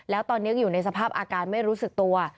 แล้วตอนนี้ยังอยู่ในสภาพอาการไม่รู้สึกตัว